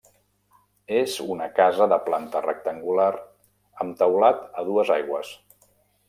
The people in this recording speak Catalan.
És una casa de planta rectangular, amb teulat a dues aigües.